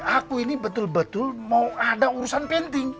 aku ini betul betul mau ada urusan penting